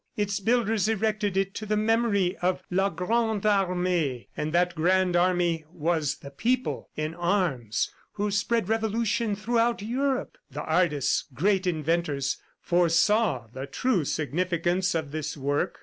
Its builders erected it to the memory of la Grande Armee and that Grand Army was the people in arms who spread revolution throughout Europe. The artists, great inventors, foresaw the true significance of this work.